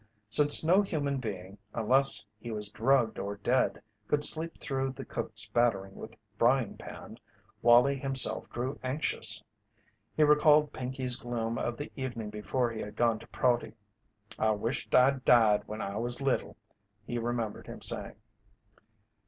Since no human being, unless he was drugged or dead, could sleep through the cook's battering with the frying pan, Wallie himself grew anxious. He recalled Pinkey's gloom of the evening before he had gone to Prouty. "I wisht I'd died when I was little," he remembered his saying.